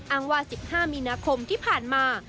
อ้างว่า๑๕มีนาคมที่ผ่านมา